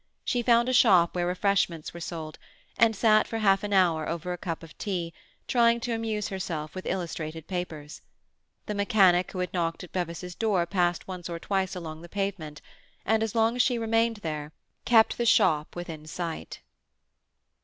She found a shop where refreshments were sold, and sat for half an hour over a cup of tea, trying to amuse herself with illustrated papers. The mechanic who had knocked at Bevis's door passed once or twice along the pavement, and, as long as she remained here, kept the shop within sight.